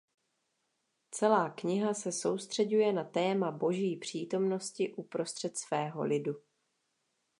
Celá kniha se soustřeďuje na téma Boží přítomnosti uprostřed svého lidu.